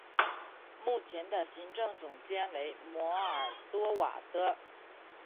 目前的行政总监为摩尔多瓦的。